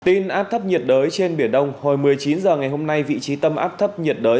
tin áp thấp nhiệt đới trên biển đông hồi một mươi chín h ngày hôm nay vị trí tâm áp thấp nhiệt đới